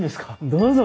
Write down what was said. どうぞ。